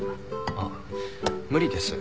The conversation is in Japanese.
あっ無理です。